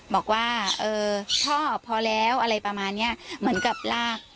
บอกว่าเออพ่อพอแล้วอะไรประมาณเนี้ยเหมือนกับลาก